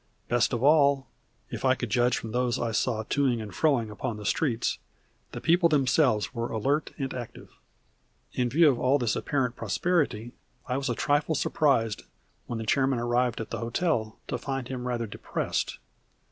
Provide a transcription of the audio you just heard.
Best of all, if I could judge from those I saw to ing and fro ing upon the streets, the people themselves were alert and active. In view of all this apparent prosperity I was a trifle surprised when the chairman arrived at the hotel to find him rather depressed.